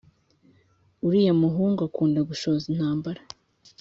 uriya muhungu akunda gushoza intambara